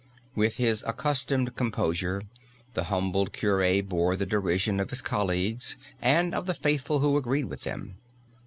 With his accustomed composure the humbled cure bore the derision of his colleagues, and of the faithful who agreed with them.